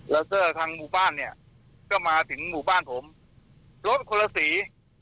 แล้วก็ทางหมู่บ้านเนี่ยก็มาถึงหมู่บ้านผมรถคนละสี